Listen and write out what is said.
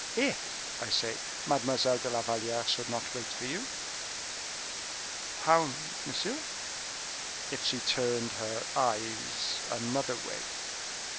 If, I say, Mademoiselle de la Valliere should not wait for you?" "How, monsieur?" "If she turned her eyes another way."